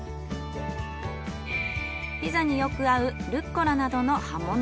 ピザによく合うルッコラなどの葉物。